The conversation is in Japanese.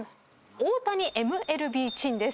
大谷ＭＬＢ珍です。